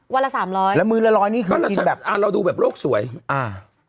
ละสามร้อยแล้วมือละร้อยนี่ก็เราจะแบบอ่าเราดูแบบโลกสวยอ่า